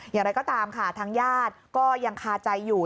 อย่างไรก็ตามค่ะทางญาติก็ยังคาใจอยู่